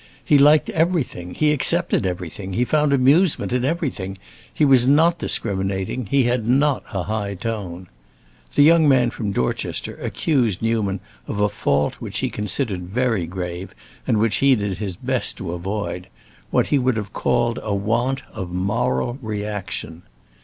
He liked everything, he accepted everything, he found amusement in everything; he was not discriminating, he had not a high tone. The young man from Dorchester accused Newman of a fault which he considered very grave, and which he did his best to avoid: what he would have called a want of "moral reaction."